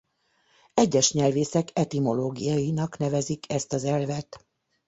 Egyes nyelvészek etimológiainak nevezik ezt az elvet.